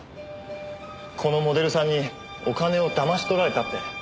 このモデルさんにお金を騙し取られたって。